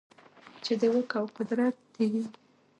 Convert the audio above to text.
چـې د واک او قـدرت تـېږي وي .